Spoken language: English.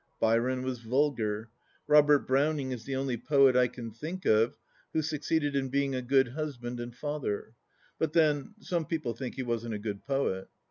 Byron was vulgar. Robert Browning is the only poet I can think of who succeeded in being a good husband and father ; but then, some people think he wasn't a good poet.